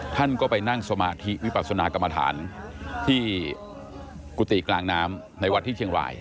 ท่านก็ไปนั่งสมาธิวิปัสนากรรมฐานที่กุฏิกลางน้ำในวัดที่เชียงราย